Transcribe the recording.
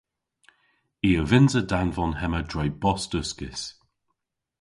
I a vynnsa danvon hemma dre bost uskis.